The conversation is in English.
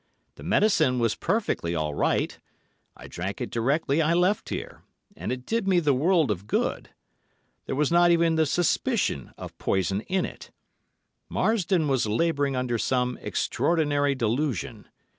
The medicine was perfectly all right. I drank it directly I left here, and it did me the world of good. There was not even the suspicion of poison in it. Marsdon was labouring under some extraordinary delusion.